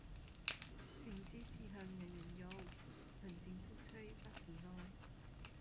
誠知此恨人人有，貧賤夫妻百事哀。